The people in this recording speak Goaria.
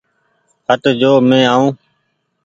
هٽ جو مينٚ آئونٚ